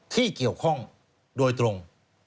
ที่เกี่ยวข้องโดยตรง